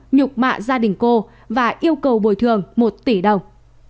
nhục mạ gia đình cô và yêu cầu bồi thường một tỷ đồng